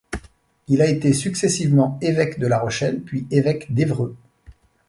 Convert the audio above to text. Il a été successivement évêque de La Rochelle puis évêque d'Évreux.